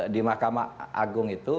di mahkamah agung itu